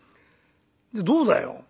でどうだよ？